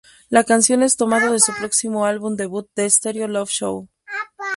La canción es tomado de su próximo álbum debut The Stereo Love Show.